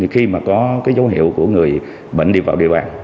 khi có dấu hiệu của người bệnh đi vào địa bàn